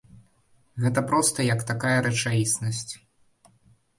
Гэта проста як такая рэчаіснасць.